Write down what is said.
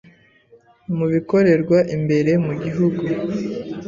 Mu bikorerwa imbere mu gihugu